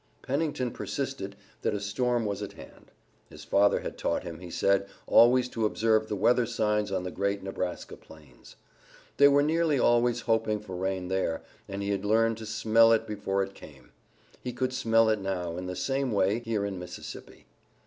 Pennington persisted that a storm was at hand. His father had taught him, he said, always to observe the weather signs on the great Nebraska plains. They were nearly always hoping for rain there, and he had learned to smell it before it came. He could smell it now in the same way here in Mississippi.